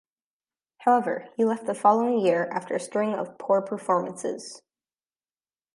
However, he left the following year after a string of poor performances.